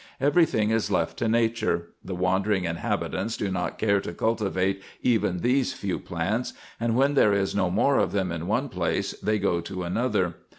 Every thing is left to nature ; the wandering inhabitants do not care to cultivate even these few plants, and when there is no more of them in one place, they go to another.